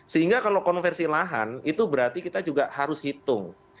sehingga kalau konversi lahan itu berarti kita juga harus hitung